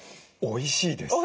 おいしいです。